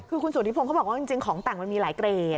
คือคุณสุธิพงศ์เขาบอกว่าจริงของแต่งมันมีหลายเกรด